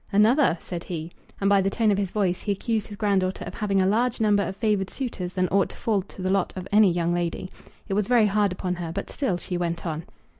"Another!" said he. And by the tone of his voice he accused his granddaughter of having a larger number of favoured suitors than ought to fall to the lot of any young lady. It was very hard upon her, but still she went on.